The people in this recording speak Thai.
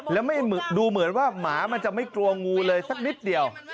แล้วดูเหมือนว่าหมามันจะไม่กลัวงูเลยสักนิดเดียว